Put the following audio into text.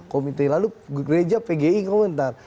komite lalu gereja pgi komentar